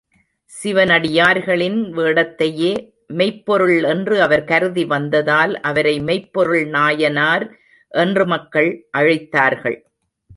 சிவனடியார்களின் வேடத்தையே மெய்ப்பொருள் என்று அவர் கருதி வந்ததால், அவரை மெய்ப்பொருள் நாயனார் என்று மக்கள் அழைத்தார்கள்.